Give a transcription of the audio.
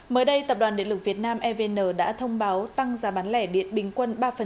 mới đây tập đoàn điện lực việt nam evn đã thông báo tăng giá bán lẻ điện bình quân ba